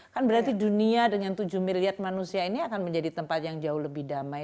kan berarti dunia dengan tujuh miliar manusia ini akan menjadi tempat yang jauh lebih damai